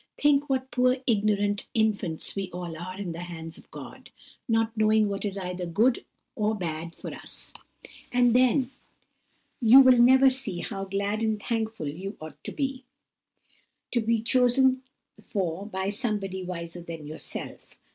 Think what poor ignorant infants we all are in the hands of God, not knowing what is either good or bad for us; and then you will see how glad and thankful you ought to be, to be chosen for by somebody wiser than yourself.